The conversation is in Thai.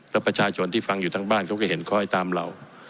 แล้วประชาชนที่ฟังอยู่ทั้งบ้านเขาก็เห็นคอยตามเรา